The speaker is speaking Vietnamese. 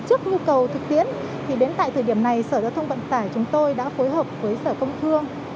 trước nhu cầu thực tiễn thì đến tại thời điểm này sở giao thông vận tải chúng tôi đã phối hợp với sở công thương